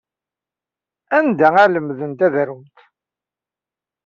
Anda ay lemdent ad arunt?